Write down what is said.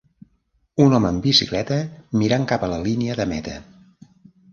Un home en bicicleta mirant cap a la línia de meta.